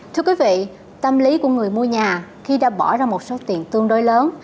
thưa quý vị tâm lý của người mua nhà khi đã bỏ ra một số tiền tương đối lớn